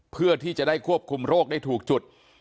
เพื่อที่จะได้ควบคุมโรคได้ถูกจุด